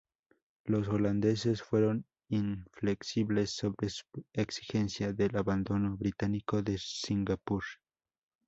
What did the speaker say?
Los holandeses fueron inflexibles sobre su exigencia del abandono británico de Singapur.